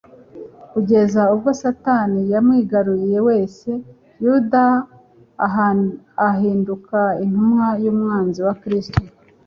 kugeza ubwo Satani yamwigarunye wese. Yuda ahinduka intumwa y'umwanzi wa Kristo.